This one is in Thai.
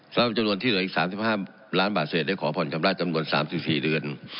สำหรับจำนวนที่เหลืออีกสามสิบห้ามล้านบาทเศษได้ขอผ่อนชำระจำนวนสามสิบสี่เดือน